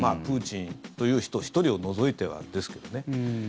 プーチンという人１人を除いてはですけどね。